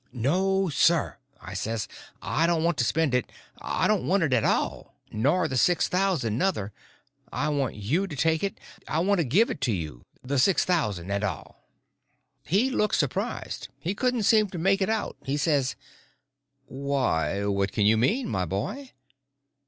"No, sir," I says, "I don't want to spend it. I don't want it at all—nor the six thousand, nuther. I want you to take it; I want to give it to you—the six thousand and all." He looked surprised. He couldn't seem to make it out. He says: "Why, what can you mean, my boy?"